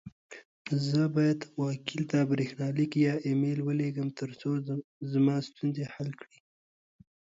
زه بايد خپل وکيل ته بريښناليک يا اى ميل وليږم، ترڅو زما ستونزي حل کړې.